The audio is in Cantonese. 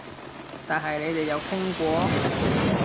但係你哋有傾過？